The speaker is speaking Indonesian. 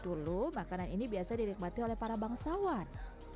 dulu makanan ini biasa didikmati oleh para bangsawan